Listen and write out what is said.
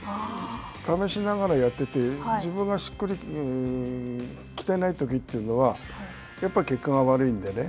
試しながらやってて自分がしっくり来てないときというのは、やっぱり結果が悪いんでね。